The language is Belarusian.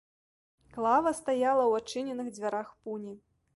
Клава стаяла ў адчыненых дзвярах пуні.